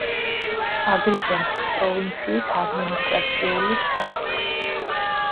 აგრიჯენტოს პროვინციის ადმინისტრაციული ცენტრი.